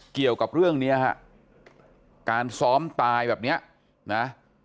เกี่ยวกับเรื่องเนี้ยฮะการซ้อมตายแบบเนี้ยนะ